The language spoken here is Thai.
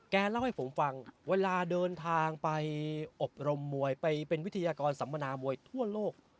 เล่าให้ผมฟังเวลาเดินทางไปอบรมมวยไปเป็นวิทยากรสัมมนามวยทั่วโลก